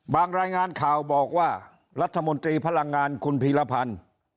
รายงานข่าวบอกว่ารัฐมนตรีพลังงานคุณพีรพันธ์